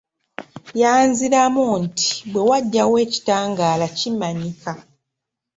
Yanziramu nti, "Bwe wajjawo ekitangaala kimanyika".